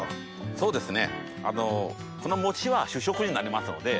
そうですね。